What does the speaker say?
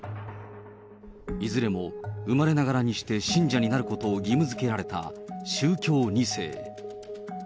いずれも生まれながらにして信者になることを義務づけられた宗教２世。